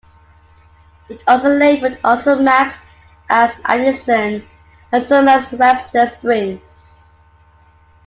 It also labeled on some maps as Addison, and some as Webster Springs.